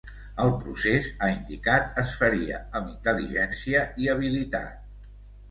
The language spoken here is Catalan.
El procés, ha indicat, es faria amb ‘intel·ligència i habilitat’.